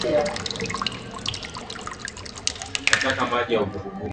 Sina shaka kuwa kwa vile wao kwa wingi wao wanachukia sana masuala ya rushwa